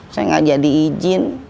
saya gak jadi izin